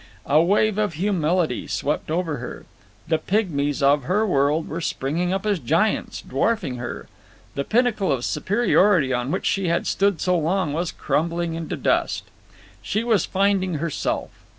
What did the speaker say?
A wave of humility swept over her. The pygmies of her world were springing up as giants, dwarfing her. The pinnacle of superiority on which she had stood so long was crumbling into dust. She was finding herself.